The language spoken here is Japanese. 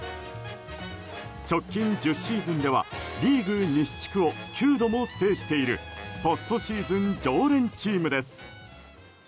直近１０シーズンではリーグ西地区を９度も制しているポストシーズン常連チームです。